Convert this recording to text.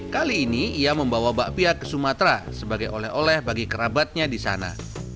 kali ini ia membawa bakpia ke sumatera sebagai oleh oleh bagi kerabatnya di sana